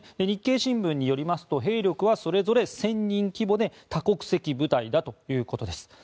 日経新聞によりますと兵力はそれぞれ１０００人規模で多国籍部隊だということです。